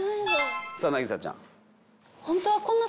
さあ凪咲ちゃん。